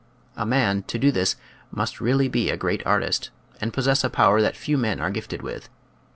A man, to do this, must really be a great artist, and possess a power that few men are gifted with.